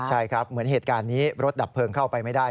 ใช่ครับเหมือนเหตุการณ์นี้รถดับเพลิงเข้าไปไม่ได้